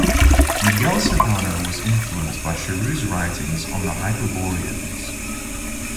Miguel Serrano was influenced by Charroux's writings on the Hyperboreans.